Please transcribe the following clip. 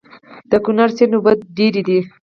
د کونړ سيند اوبه ډېرې دي